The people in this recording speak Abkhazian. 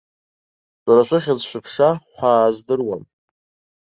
Шәара шәыхьӡ-шәыԥша ҳәаа аздыруам!